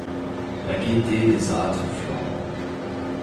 La gaîté des âtres flambants.